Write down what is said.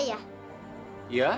yang bercerdas ya